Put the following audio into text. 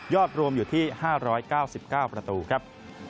รวมอยู่ที่๕๙๙ประตูครับ